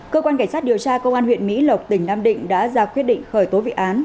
cơ quan cảnh sát điều tra công an huyện mỹ lộc tỉnh nam định đã ra quyết định khởi tố bị án